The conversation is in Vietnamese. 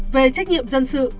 về trách nhiệm dân sự